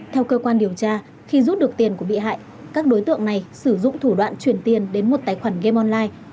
theo cơ quan điều tra khi rút được tiền của bị hại các đối tượng này sử dụng thủ đoạn chuyển tiền đến một tài khoản gam online